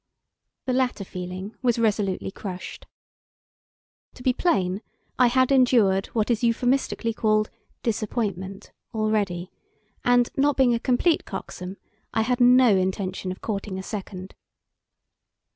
The latter feeling was resolutely crushed. To be plain, I had endured what is euphemistically called "disappointment" already; and, not being a complete coxcomb, I had no intention of courting a second.